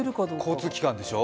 交通機関でしょ？